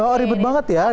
oh ribet banget ya